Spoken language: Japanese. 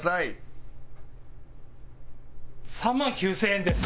３万９０００円です。